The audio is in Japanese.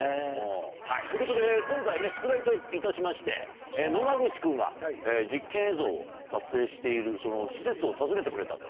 はいということで今回宿題といたしまして野間口君が実験映像を撮影している施設を訪ねてくれたと。